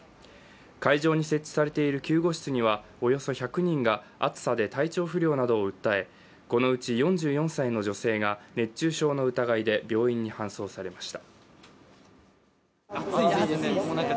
会場に設置されている救護室には、およそ１００人が暑さで体調不良などを訴え、このうち４４歳の女性が熱中症の疑いで病院に搬送されました。